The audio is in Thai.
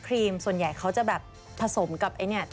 ครีมส่วนใหญ่เขาจะแบบผสมกับไอ้เนี่ย